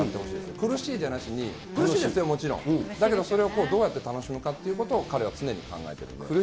苦しいですよ、もちろん、だけどそれをどうやって楽しむかということを彼は常に考えてるんで。